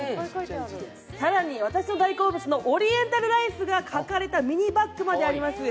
更に私の大好物のオリエンタルライスが描かれたミニバッグまであります。